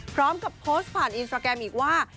พร้อมกับโพสต์ผ่านอินสตราแกรมอีกว่า